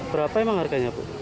berapa emang harganya bu